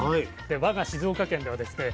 我が静岡県ではですね